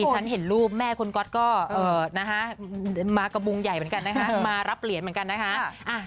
ฉันเห็นรูปแม่คุณก๊อตก็มากระบุงใหญ่เหมือนกันนะคะมารับเหรียญเหมือนกันนะคะ